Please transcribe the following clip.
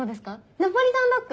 ナポリタンドッグ！